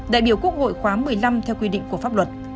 đại biểu quốc hội khóa một mươi năm theo quy định của pháp luật